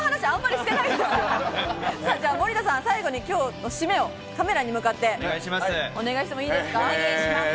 森田さん、最後にきょうの締めをカメラに向かってお願いしてもいいですか？